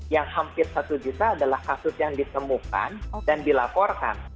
yang hampir satu juta adalah kasus yang ditemukan dan dilaporkan